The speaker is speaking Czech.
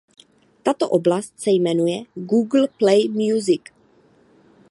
Tato oblast se jmenuje "Google Play Music".